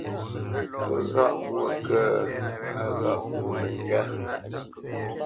Pə́ ghâʼ mwô kə́, á ghâʼ mwô məŋgywá.